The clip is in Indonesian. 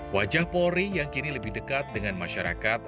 wajah polri yang kini lebih dekat dengan masyarakat